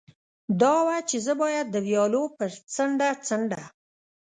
دا وه، چې زه باید د ویالو پر څنډه څنډه.